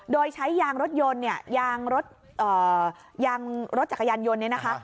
โดยใช้ยางรถยนต์เนี่ยยางรถยางรถจักรยานยนต์เนี่ยนะคะ